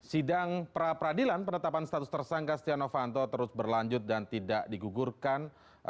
sidang pra peradilan penetapan status tersangka setia novanto terus berlanjut dan tidak digugurkan